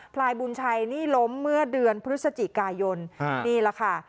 ลายบุญชัยนี่ล้มเมื่อเดือนพฤศจิกายนนี่แหละค่ะ